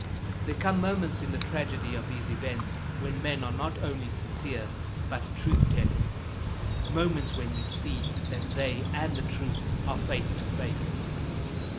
There come moments in the tragedy of these events when men are not only sincere, but truth telling, moments when you see that they and the truth are face to face.